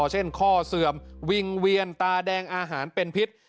เช่นข้อเสื่อมวิงเวียนตาแดงอาหารเป็นพิษ